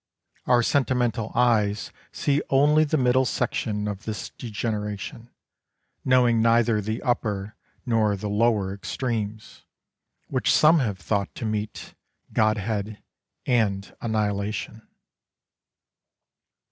Our sentimental eyes see only the middle section of this degeneration, knowing neither the upper nor the lower extremes, which some have thought to meet, godhead and annihilation.